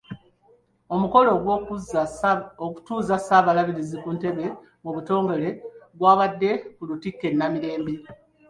Omukolo gw'okutuuza Ssaabalabirizi ku ntebe mu butongole gwabadde ku Lutikko e Namirembe.